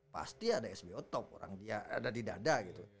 pasti ada sbo top orang dia ada di dada gitu